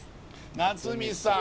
夏美さん